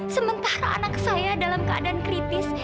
sementara anak saya dalam keadaan kritis